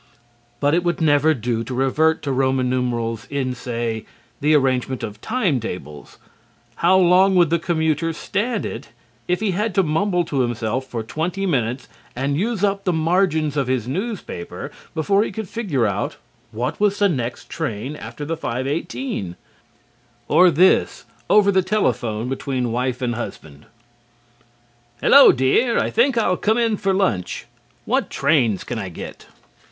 But it would never do to revert to Roman numerals in, say, the arrangement of time tables. How long would the commuter stand it if he had to mumble to himself for twenty minutes and use up the margins of his newspaper before he could figure out what was the next train after the 5:18? Or this, over the telephone between wife and husband: "Hello, dear! I think I'll come in town for lunch. What trains can I get?"